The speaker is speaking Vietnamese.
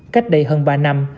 cách đây hơn ba năm